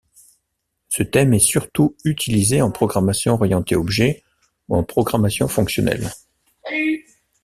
Ce terme est surtout utilisé en programmation orientée objet ou en programmation fonctionnelle.